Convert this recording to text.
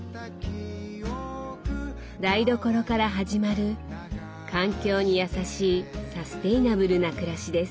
台所から始まる環境に優しいサステイナブルな暮らしです。